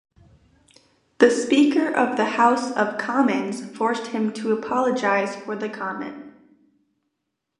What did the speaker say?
The speaker of the House of Commons forced him to apologise for the comment.